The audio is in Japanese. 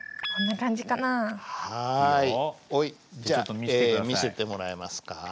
じゃあ見せてもらえますか？